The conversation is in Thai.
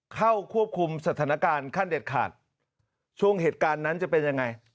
เข้าควบคุมสถานการณ์ขั้นเด็ดขาดช่วงเหตุการณ์นั้นจะเป็นยังไง